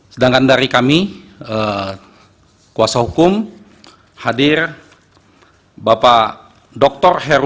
sedangkan dari kami kuasa hukum hadir bapak dr herman